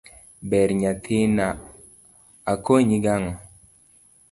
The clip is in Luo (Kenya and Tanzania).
ber nyathina akonyi gang'o?